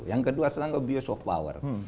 yang kedua selalu abuse of power